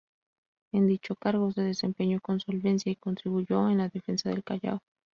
En dicho cargo se desempeñó con solvencia y contribuyó en la defensa del Callao.